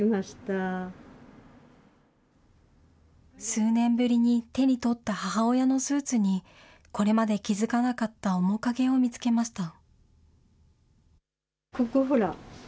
数年ぶりに手に取った母親のスーツに、これまで気付かなかった面影を見つけました。